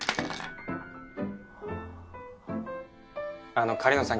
あの狩野さん